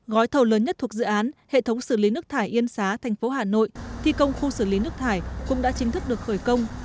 gói thầu lớn nhất thuộc dự án hệ thống xử lý nước thải yên xá thành phố hà nội thi công khu xử lý nước thải cũng đã chính thức được khởi công